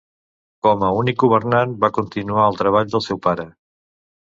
Com a "únic governant" va continuar el treball del seu pare.